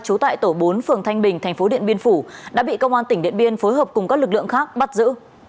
trú tại tổ bốn phường thanh bình thành phố điện biên phủ đã bị công an tỉnh điện biên phối hợp cùng các lực lượng khác bắt giữ